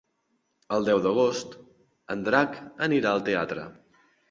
El deu d'agost en Drac anirà al teatre.